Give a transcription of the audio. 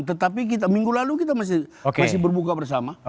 tetapi kita minggu lalu kita masih berbuka bersama